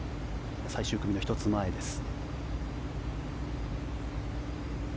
最終組の１つ前です。